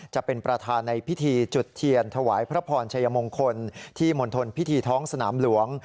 จะเป็นประธานในพิธีจุดเทียนถวายพระพรชัยมงคลที่มณฑลพิธีท้องสนามหลวง